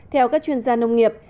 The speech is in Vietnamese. theo các chuyên gia nông nghiệp